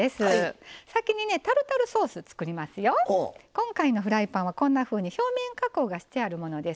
今回のフライパンはこんなふうに表面加工がしてあるものです。